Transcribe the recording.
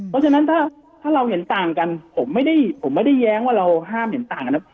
เพราะฉะนั้นถ้าเราเห็นต่างกันผมไม่ได้ผมไม่ได้แย้งว่าเราห้ามเห็นต่างกันนะ